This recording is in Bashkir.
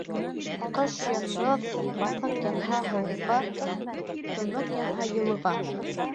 Ҡыш йондоҙ баҙыҡ янһа — һыуыҡҡа, тоноҡ янһа — йылыға.